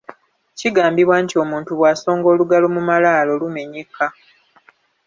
Kigambibwa nti omuntu bw'asonga olugalo mu malaalo, lumenyeka.